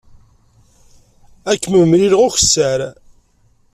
Ad kem-mlileɣ ukessar.